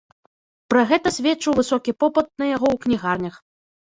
Пра гэта сведчыў высокі попыт на яго ў кнігарнях.